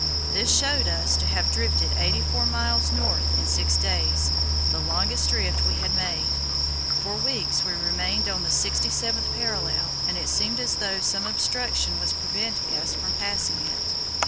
This showed us to have drifted 84 miles north in six days, the longest drift we had made. For weeks we had remained on the 67th parallel, and it seemed as though some obstruction was preventing us from passing it.